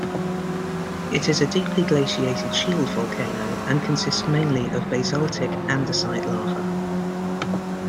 It is a deeply glaciated shield volcano and consists mainly of basaltic andesite lava.